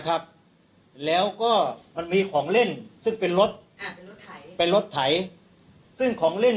ครับแล้วก็มันมีของเล่นซึ่งเป็นรถเป็นรถถ่ายซึ่งของเล่น